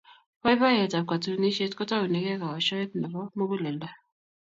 boiboiyet ab katunisiet ko taunegei koashoet Nebo muguleldo